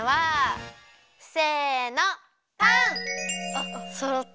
あっそろった。